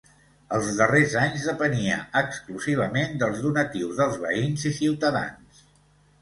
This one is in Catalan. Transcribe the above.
Els darrers anys depenia exclusivament dels donatius dels veïns i ciutadans.